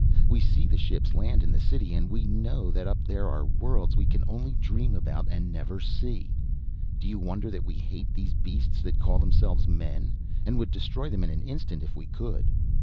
We see the ships land in the city and we know that up there are worlds we can only dream about and never see. Do you wonder that we hate these beasts that call themselves men, and would destroy them in an instant if we could?